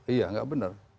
iya gak benar